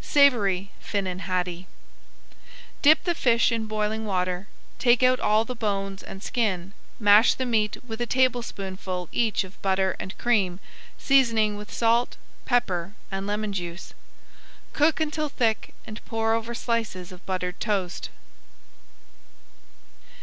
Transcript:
[Page 134] SAVORY FINNAN HADDIE Dip the fish in boiling water, take out all the bones and skin. Mash the meat with a tablespoonful each of butter and cream, seasoning with salt, pepper, and lemon juice. Cook until thick and pour over slices of buttered toast.